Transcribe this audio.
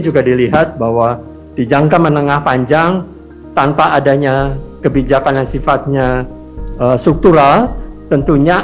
juga dilihat bahwa di jangka menengah panjang tanpa adanya kebijakan yang sifatnya struktural tentunya